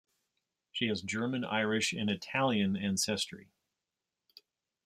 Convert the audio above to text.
She has German, Irish, and Italian ancestry.